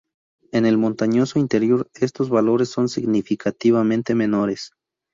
En el montañoso interior estos valores son significativamente menores.